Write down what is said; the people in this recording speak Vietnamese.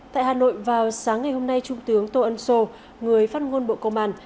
tại hà nội vào sáng ngày hôm nay trung tướng tô ân sô người phát ngôn bộ công an